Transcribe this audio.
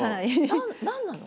何なの？